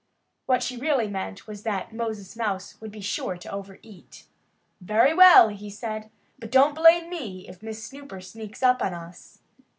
What she really meant was that Moses Mouse would be sure to overeat. "Very well!" he said. "But don't blame me if Miss Snooper sneaks up on us."